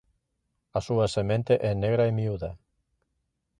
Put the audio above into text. A súa semente é negra e miúda.